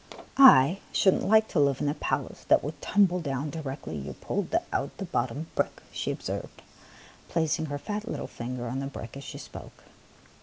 '*/ should n't like to live in a palace that would tumble down directly you pulled out the bottom brick," she observed, placing her fat little finger on the brick as she spoke.